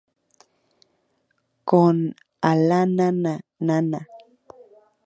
Con "¡A la nana, nana.